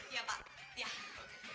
ya pak ya